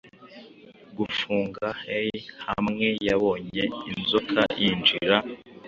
Gufunga hai hamwe yabonye inzoka yinjira